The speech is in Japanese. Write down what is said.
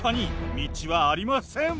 道はありません。